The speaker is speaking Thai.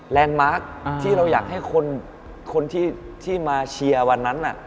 มาร์คที่เราอยากให้คนที่มาเชียร์วันนั้น